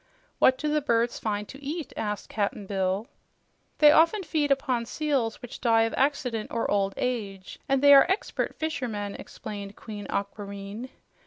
"What do the birds find to eat?" asked Cap'n Bill. "They often feed upon seals which die of accident or old age, and they are expert fishermen," explained Queen Aquareine.